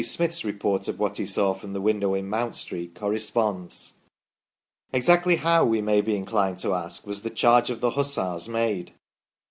Smith's report of what he saw from the window in Mount Street corresponds. Exactly how, we may be inclined to ask, was the charge of the Hussars made